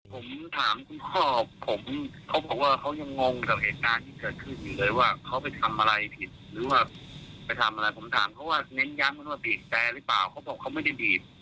ผมถามคุณพ่อผมเขาบอกว่าเขายังงงกับเหตุการณ์ที่เกิดขึ้นอยู่เลยว่าเขาไปทำอะไรผิดหรือว่าไปทำอะไรผมถามเขาว่าเน้นย้ำกันว่าบีบแต่หรือเปล่าเขาบอกเขาไม่ได้บีบ